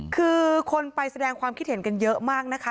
คือคนไปแสดงความคิดเห็นกันเยอะมากนะคะ